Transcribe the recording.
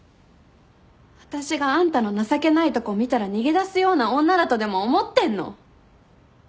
私があんたの情けないとこ見たら逃げ出すような女だとでも思ってんの？